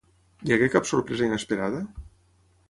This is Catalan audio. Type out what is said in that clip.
Hi hagué cap sorpresa inesperada?